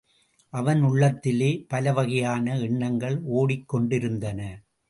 அவன் உள்ளத்திலே பலவகையான எண்ணங்கள் ஓடிக்கொண்டிருந்தன.